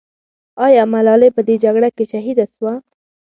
آیا ملالۍ په دې جګړه کې شهیده سوه؟